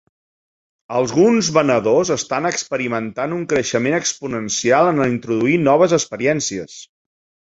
Alguns venedors estan experimentant un creixement exponencial en introduir noves experiències.